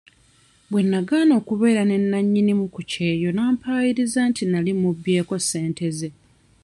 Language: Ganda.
Bwe nagaana okubeera ne nannyimu ku kyeyo n'ampayiriza nti nali mubbyeko ssente ze.